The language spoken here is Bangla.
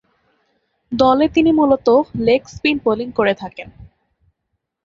দলে তিনি মূলতঃ লেগ স্পিন বোলিং করে থাকেন।